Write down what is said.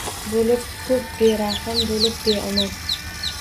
Bo‘lib ko‘p berahm, bo‘lib beomon